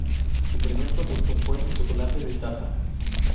Su primer producto fue el chocolate de taza.